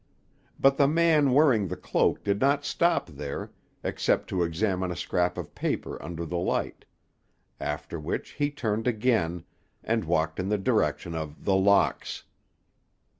But the man wearing the cloak did not stop there, except to examine a scrap of paper under the light; after which he turned again, and walked in the direction of The Locks.